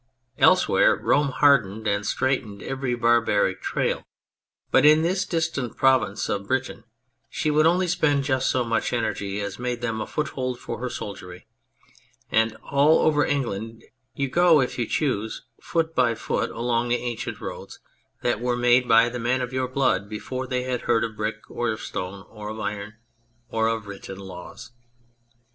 Elsewhere Rome hardened and straightened every barbaric trail, but in this distant province of Britain she would only spend just so much energy as made them a foothold for her soldiery ; and all over England you go if you choose foot by foot along the ancient roads that were made by the men of your blood before they had heard of brick, or of stone, or of iron, or of written laws.